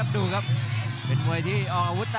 อดีต